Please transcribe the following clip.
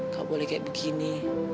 gak boleh kayak begini